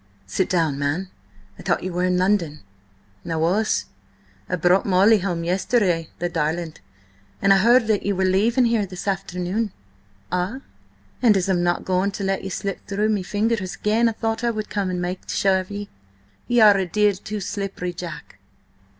"Sit down, man! I thought you were in London?" "I was. I brought Molly home yesterday, the darlint, and I heard that ye were leaving here this afternoon." "Ah?" "And as I'm not going to let ye slip through me fingers again, I thought I would come and make sure of ye. Ye are a deal too slippery, Jack."